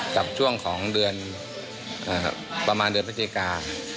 กับช่วงของเดือนประมาณเดือนพฤศจิกา